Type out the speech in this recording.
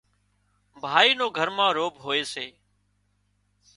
ڀائي نو گھر ما روڀ هوئي سي